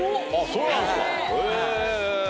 そうなんですかへぇ。